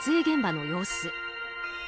現場の様子。